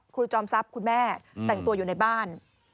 จอมทรัพย์คุณแม่แต่งตัวอยู่ในบ้าน